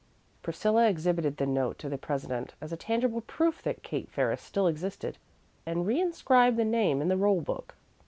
Priscilla exhibited the note to the president as a tangible proof that Kate Ferris still existed, and reinscribed the name in the roll book.